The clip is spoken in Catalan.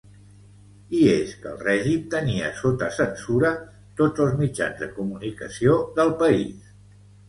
I és que el règim tenia sota censura tots els mitjans de comunicació del país.